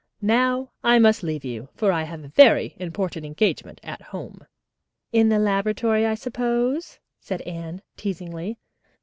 Now I must leave you, for I have a very important engagement at home." "In the laboratory, I suppose," said Anne teasingly.